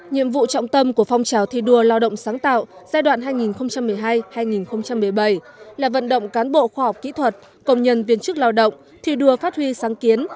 nhiệm vụ trọng tâm của phong trào thi đua lao động sáng tạo giai đoạn hai nghìn một mươi hai hai nghìn một mươi bảy là vận động cán bộ khoa học kỹ thuật công nhân viên chức lao động thi đua phát huy sáng kiến